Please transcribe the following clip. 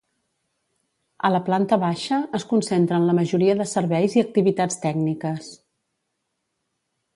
A la planta baixa es concentren la majoria de serveis i activitats tècniques.